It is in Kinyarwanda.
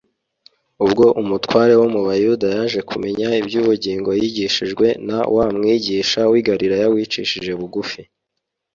, ubwo umutware wo mu Bayuda yaje kumenya iby’ubugingo yigishijwe na wa Mwigisha w’i Galilaya wicishije bugufi.